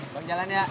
bang jalan ya